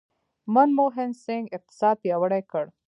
منموهن سینګ اقتصاد پیاوړی کړ.